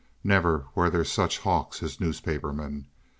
Never were there such hawks as newspapermen.